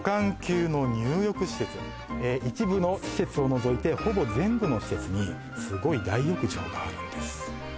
一部の施設を除いてほぼ全部の施設にすごい大浴場があるんです